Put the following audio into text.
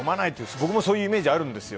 僕もそういうイメージあるんですよ。